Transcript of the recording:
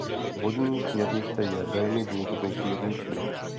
Vodní směrnice je velmi důležitou směrnicí.